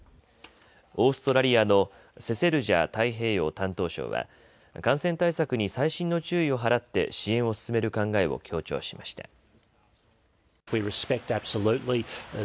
オーストラリアのセセルジャ太平洋担当相は感染対策に細心の注意を払って支援を進める考えを強調しました。